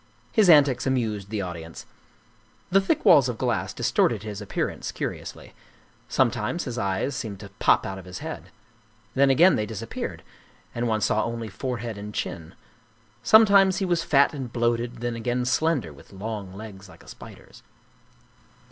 His antics amused the audience. The thick walls of glass distorted his appearance curiously ; sometimes his eyes seemed to pop out of his head; then again they disappeared, and one saw only forehead and chin; some times he was fat and bloated, then again slender, with long legs like a spider's.